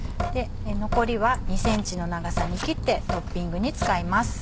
残りは２ｃｍの長さに切ってトッピングに使います。